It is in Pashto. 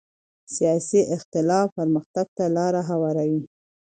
سیاسي اختلاف پرمختګ ته لاره هواروي